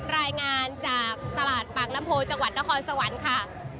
รายงานจากตลาดปากน้ำโพจังหวัดนครสวรรค์ค่ะ